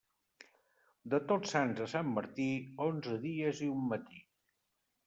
De Tots Sants a Sant Martí, onze dies i un matí.